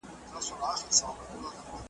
د باغلیو کښت په گټه د سلطان دئ .